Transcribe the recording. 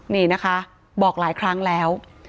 นี่นะคะบอกหลายครั้งแล้ว